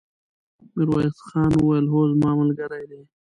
ميرويس خان وويل: هو، زما ملګری دی!